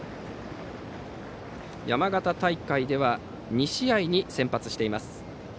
山形大会では２試合に先発しています。